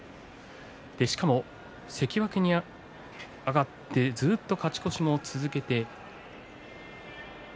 しかも関脇に上がってずっと勝ち越しを続けて。